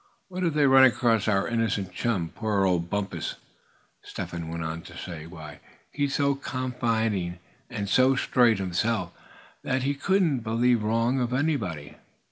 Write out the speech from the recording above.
"What if they run across our innocent chum, poor old Bumpus?" Step Hen went on to say, "Why, he's so confiding, and so straight himself, that he couldn't believe wrong of anybody.